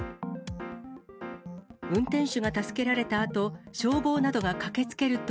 運転手が助けられたあと、消防などが駆けつけると。